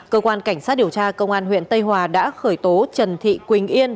cơ quan cảnh sát điều tra công an huyện tây hòa đã khởi tố trần thị quỳnh yên